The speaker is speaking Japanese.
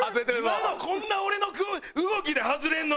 今のこんな俺の動きで外れるの？